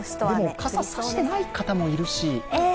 傘差してない方もいるし。